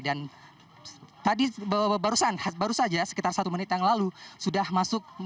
dan tadi baru saja sekitar satu menit yang lalu sudah masuk ke dalam